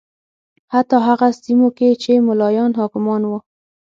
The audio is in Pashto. حتی هغه سیمو کې چې ملایان حاکمان و